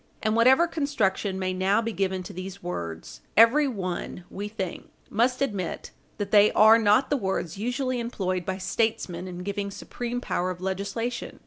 And whatever construction may now be given to these words, everyone, we think, Page 60 U. S. 437 must admit that they are not the words usually employed by statesmen in giving supreme power of legislation.